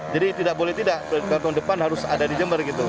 jadi tidak boleh tidak tahun depan harus ada di jember